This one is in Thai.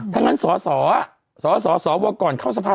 ถ้างั้นสอสอสอสอสอสอว่าก่อนเข้าสภา